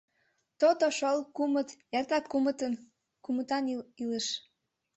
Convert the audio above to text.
— То-то шол — кумыт; эртак кумытын; кумытан илыш».